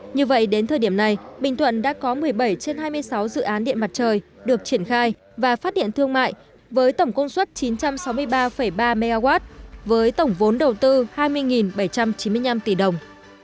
như vậy đến thời điểm này bình thuận đã có một mươi bảy trên hai mươi sáu dự án điện mặt trời được triển khai và phát điện thương mại với tổng công suất chín trăm sáu mươi ba ba mw với tổng vốn đầu tư hai mươi bảy trăm chín mươi năm tỷ đồng